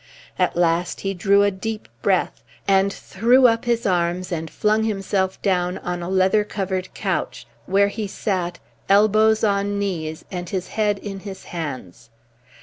At last he drew a deep breath and threw up his arms and flung himself down on a leather covered couch, where he sat, elbows on knees and his head in his hands.